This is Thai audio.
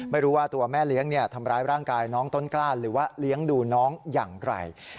ไม่รู้ว่าตัวแม่เลี้ยงทำร้ายร่างกายน้องต้นกล้าหรือว่าเลี้ยงดูน้องอย่างไกล